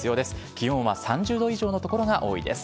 気温は３０度以上の所が多いです。